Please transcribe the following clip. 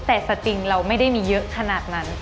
แต่สติงเราไม่ได้มีเยอะขนาดนั้น